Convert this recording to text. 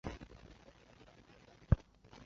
连他的名字都不知道